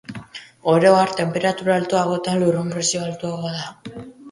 Oro har, tenperatura altuagoetan lurrun-presioa altuagoa da.